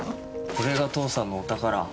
これが父さんのお宝。